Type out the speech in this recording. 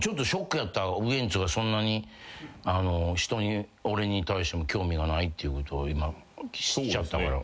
ウエンツがそんなに俺に対しても興味がないっていうことを今知っちゃったから。